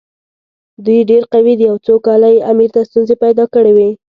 دوی ډېر قوي دي او څو کاله یې امیر ته ستونزې پیدا کړې وې.